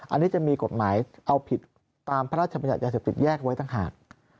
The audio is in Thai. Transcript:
อันนี้จะมีกฎหมายเอาผิดตามพระราชบัญญัติยาเสพติดแยกไว้ต่างหาก